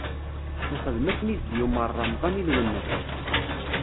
Ixdem akken i s-d-yumeṛ Remḍan i Lwennas.